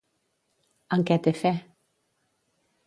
En què té fe?